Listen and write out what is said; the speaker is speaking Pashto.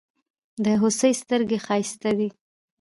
د هوسۍ ستړگي ښايستې دي.